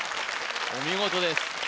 お見事です